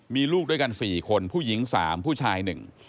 มีลูกด้วยกันสี่คนผู้หญิงสามผู้ชายหนึ่ง